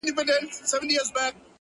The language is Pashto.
بدراتلونکی دې مستانه حال کي کړې بدل ـ